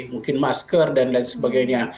mungkin masker dan lain sebagainya